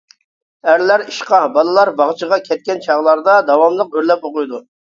ئەرلەر ئىشقا، بالىلار باغچىغا كەتكەن چاغلاردا داۋاملىق ئۆرلەپ ئوقۇيدۇ.